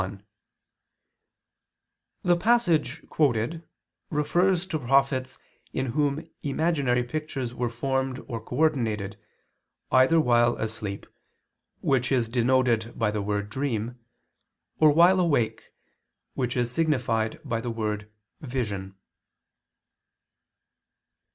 1: The passage quoted refers to prophets in whom imaginary pictures were formed or coordinated, either while asleep, which is denoted by the word "dream," or while awake, which is signified by the word "vision."